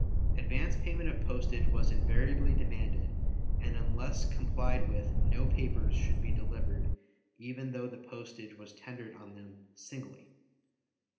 Advance payment of postage was invariably demanded and unless complied with no papers should be delivered even though the postage was tendered on them singly.